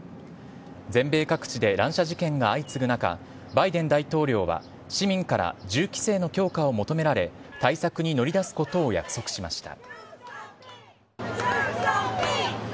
全米各地で乱射事件が相次ぐ中、バイデン大統領は市民から銃規制の強化を求められ、対策に乗り出すことを約束しました。